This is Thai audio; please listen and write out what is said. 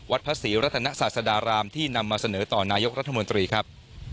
พระศรีรัตนศาสดารามที่นำมาเสนอต่อนายกรัฐมนตรีครับ